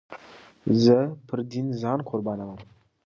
زه پر دين ځان قربانوم.